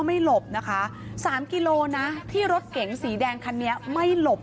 หลบนะคะสามกิโลนะที่รถเก๋งสีแดงคันนี้ไม่หลบ